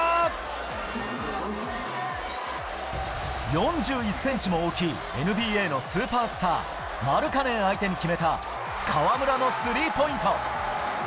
４１センチも大きいＮＢＡのスーパースター、マルカネン相手に決めた河村のスリーポイント。